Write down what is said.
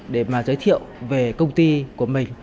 để mà giới thiệu về công ty của mình